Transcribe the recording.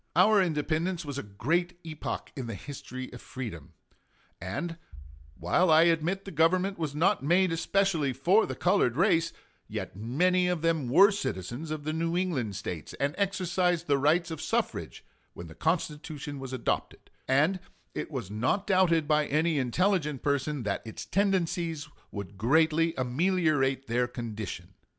Our independence was a great epoch in the history of freedom; and while I admit the Government was not made especially for the colored race, yet many of them were citizens of the New England States, and exercised the rights of suffrage when the Constitution was adopted, and it was not doubted by any intelligent person that its tendencies would greatly ameliorate their condition.